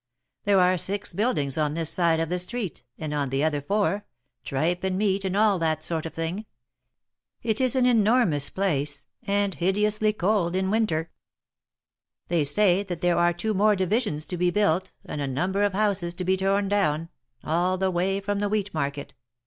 There are six buildings on this side of the street, and on the other four — tripe and meat and all that sort of thing." It is an enormous place, and hideously cold in winter. They say that there are two more divisions to be built, and a number of houses to be torn down, all the way from the wheat market.